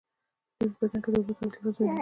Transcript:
دوی په بدن کې د اوبو تعادل تنظیموي.